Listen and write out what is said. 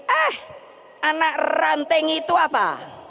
ah anak ranting itu apa